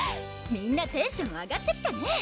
みんなテンション上がってきたね